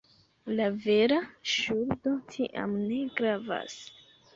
La vera ŝuldo tiam ne gravas.